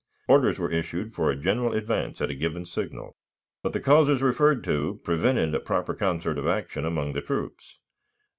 Orders were issued for a general advance at a given signal, but the causes referred to prevented a proper concert of action among the troops.